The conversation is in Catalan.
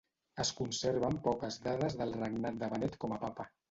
Es conserven poques dades del regnat de Benet com a papa.